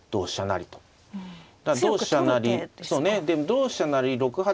同飛車成６八